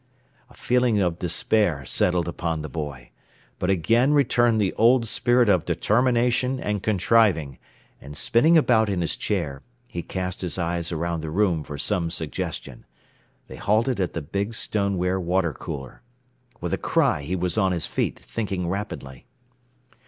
A feeling of despair settled upon the boy. But again returned the old spirit of determination and contriving, and spinning about in his chair, he cast his eyes around the room for some suggestion. They halted at the big stoneware water cooler. With a cry he was on his feet, thinking rapidly.